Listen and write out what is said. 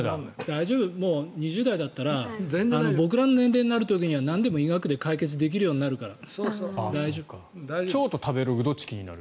大丈夫、２０代だったら僕らの年齢になる時にはなんでも医学で解決できるようになるから。